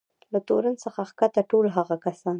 له تورن څخه کښته ټول هغه کسان.